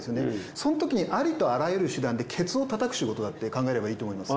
そのときにありとあらゆる手段でケツを叩く仕事だって考えればいいと思います。